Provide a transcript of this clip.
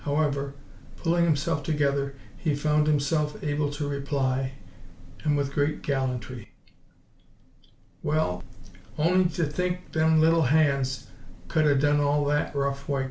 However, pulling himself together, he found himself able to reply and with great gallantry: "Well, on'y t' think them little hands cud 'a' done all that rough woik!"